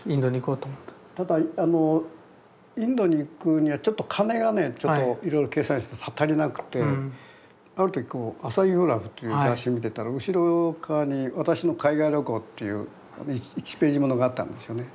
ただインドに行くにはちょっと金がねちょっといろいろ計算したら足りなくてある時こう「アサヒグラフ」という雑誌見てたら後ろ側に「私の海外旅行」っていう１ページものがあったんですよね